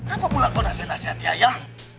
apa pula kau nasih nasih hati ayah